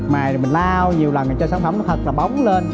mài rồi mình lao nhiều lần cho sản phẩm nó thật là bóng lên